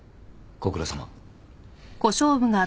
ご苦労さま。